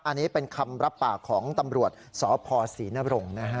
อันนี้เป็นคำรับปากของตำรวจสพศรีนรงค์นะฮะ